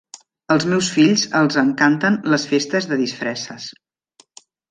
Als meus fills els encanten les festes de disfresses